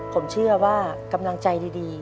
ผมเชื่อว่ากำลังใจดี